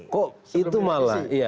kok itu malah